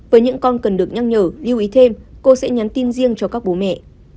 với những con cần được nhắc nhở lưu ý thêm cô sẽ nhắn tin riêng cho các bố mẹ